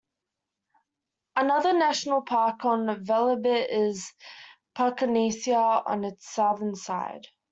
Another national park on Velebit is the Paklenica on its southern side.